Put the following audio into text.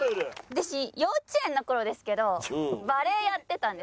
私幼稚園の頃ですけどバレエやってたんです。